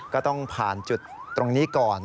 ก็ต้องผ่านจุดตรงนี้ก่อน